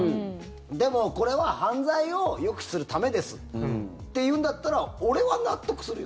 でも、これは犯罪を抑止するためですっていうんだったら俺は納得するよ。